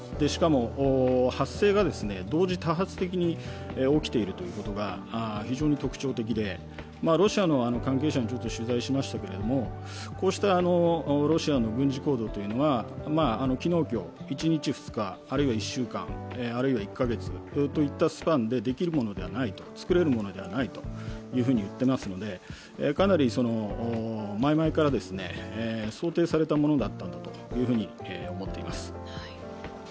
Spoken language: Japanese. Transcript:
しかも、発生が同時多発的に起きているということが非常に特徴的で、ロシアの関係者に取材しましたけれどもこうしたロシアの軍事行動というのは、昨日、今日、１２日、あるいは１週間、あるいは１カ月といったスパンでできるものではない作れるものではないというふうに言ってますのでかなり前々から想定されたものだったんだと思っています。